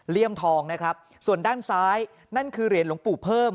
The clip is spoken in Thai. ทองนะครับส่วนด้านซ้ายนั่นคือเหรียญหลวงปู่เพิ่ม